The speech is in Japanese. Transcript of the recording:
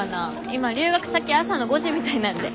今留学先朝の５時みたいなんで。